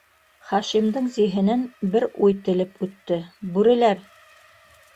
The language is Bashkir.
Хашимдың зиһенен бер уй телеп үтте: бүреләр!